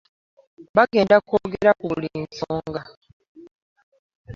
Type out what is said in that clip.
Bagenda kwogera ku buli nsonga.